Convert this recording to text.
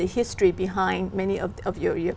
như món ăn khác